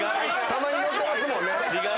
たまに乗ってますもんね。